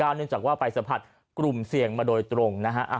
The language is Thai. เนื่องจากว่าไปสัมผัสกลุ่มเสี่ยงมาโดยตรงนะฮะ